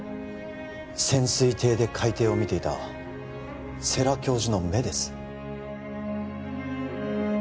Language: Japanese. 潜水艇で海底を見ていた世良教授の目です